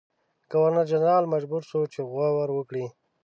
ګورنرجنرال مجبور شو چې غور وکړي.